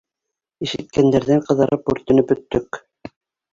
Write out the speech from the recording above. Ишеткәндәрҙән ҡыҙарып-бүртенеп бөттөк.